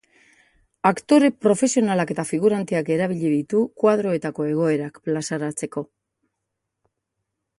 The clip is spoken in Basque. Aktore profesionalak eta figuranteak erabili ditu koadroetako egoerak plazaratzeko.